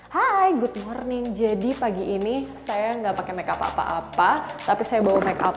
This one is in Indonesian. hai good morning jadi pagi ini saya enggak pakai makeup apa apa tapi saya bawa makeup